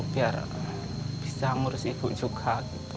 biar bisa ngurus ibu juga